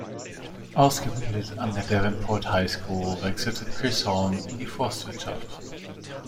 Ausgebildet an der Devonport High School, wechselte Chisholm in die Forstwirtschaft.